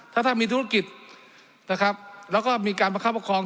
ถ้าท่านมีธุรกิจนะครับแล้วก็มีการประคับประคอง